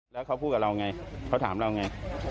แล้วเขาพูดกับเราอย่างไรเขาถามเราอย่างไร